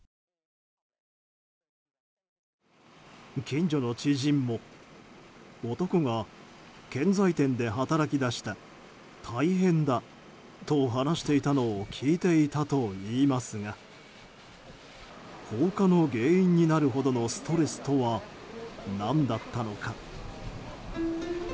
近所の知人も男が建材店で働き出した大変だと話していたのを聞いていたといいますが放火の原因になるほどのストレスとは何だったのか。